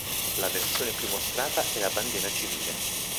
La versione qui mostrata è la bandiera civile.